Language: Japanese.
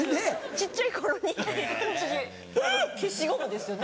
小っちゃい頃に消しゴムですよね。